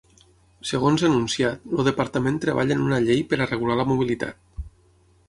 Segons ha anunciat, el departament treballa en una llei per a regular la mobilitat.